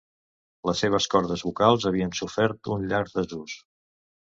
Les seves cordes vocals havien sofert un llarg desús.